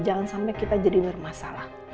jangan sampai kita jadi bermasalah